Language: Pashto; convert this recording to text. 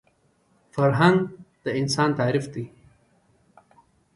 فرهنګ د انسان تعریف دی